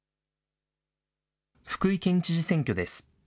福井県知事選挙です。